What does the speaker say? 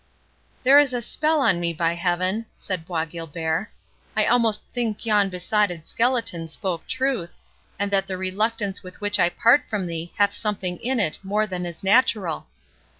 "There is a spell on me, by Heaven!" said Bois Guilbert. "I almost think yon besotted skeleton spoke truth, and that the reluctance with which I part from thee hath something in it more than is natural.